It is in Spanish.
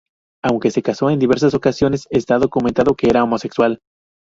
Aunque se casó en diversas ocasiones, está documentado que era homosexual.